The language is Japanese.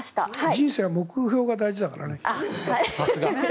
人生は目標が大事だからね。